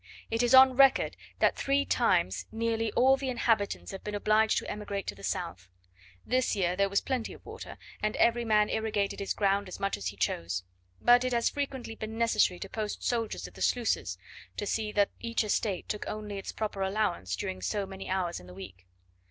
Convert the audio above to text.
It is on record that three times nearly all the inhabitants have been obliged to emigrate to the south. This year there was plenty of water, and every man irrigated his ground as much as he chose; but it has frequently been necessary to post soldiers at the sluices, to see that each estate took only its proper allowance during so many hours in the week.